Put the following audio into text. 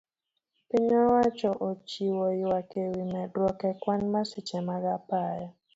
Piny owacho ochiwo yuak ewi medruok e kwan masiche mag apaya